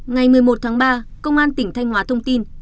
ngày một mươi một tháng ba công an tỉnh thanh hóa thông tin